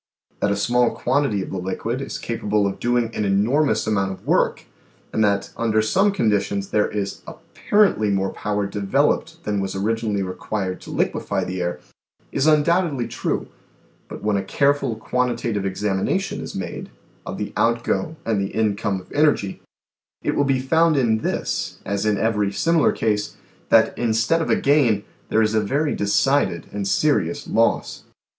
That a small quantity of the liquid is capable of doing an enormous amount of work, and that under some conditions there is apparently more power developed than was origin ally required to liquefy the air, is undoubtedly true, but when a careful quantitative examination is made of the outgo and the income of energy, it will be found in this, as in every similar case, that instead of a gain there is a very decided and serious loss.